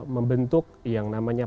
membentuk yang namanya